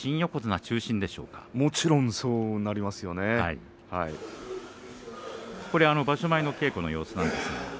もちろん場所前の稽古の様子です。